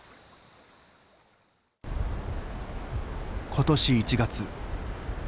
今年１月。